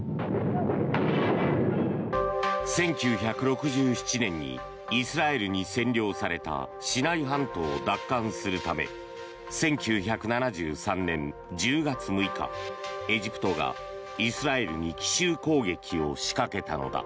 １９６７年にイスラエルに占領されたシナイ半島を奪還するため１９７３年１０月６日エジプトがイスラエルに奇襲攻撃を仕掛けたのだ。